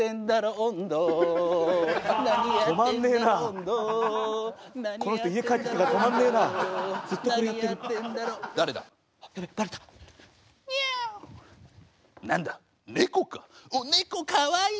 おっ猫かわいい。